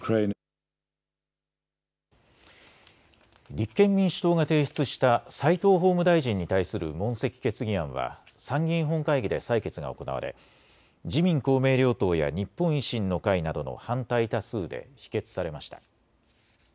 立憲民主党が提出した齋藤法務大臣に対する問責決議案は参議院本会議で採決が行われ自民公明両党や日本維新の会などの反対多数で否決されました。